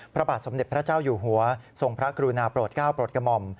พระบาทสมเด็จพระเจ้าอยู่หัวทรงพระกรุณาโปรดก้าวโปรดกระหม่อม